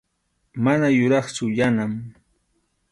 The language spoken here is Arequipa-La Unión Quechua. Mana yuraqchu Yanam.